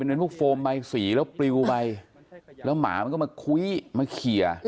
มันเป็นผู้แฟมใบสีมีปลูกไปแล้วหมามันก็มาคุ้ยมาเคียร์